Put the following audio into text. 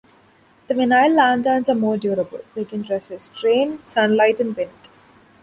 The vinyl lanterns are more durable; they can resist rain, sunlight, and wind.